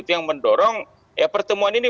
yang mendorong pertemuan ini